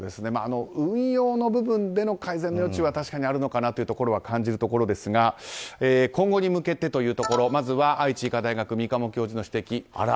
運用の部分での改善の余地は確かにあるのかなというところは感じるところですが今後に向けてというところ愛知医科大学感染症科の三鴨教授。